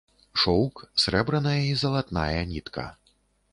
Шоўк, срэбраная і залатная нітка.